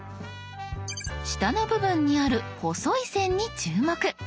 下の部分にある細い線に注目。